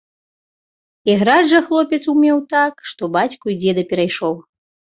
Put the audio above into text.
Іграць жа хлопец умеў так, што бацьку і дзеда перайшоў.